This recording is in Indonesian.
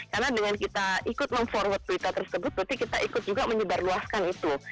karena dengan kita ikut mem forward berita tersebut berarti kita ikut juga menyebar luaskan itu